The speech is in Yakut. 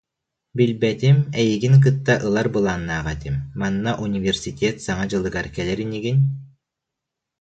Билбэтим, эйигин кытта ылар былааннаах этим, манна университет Саҥа дьылыгар кэлэр инигин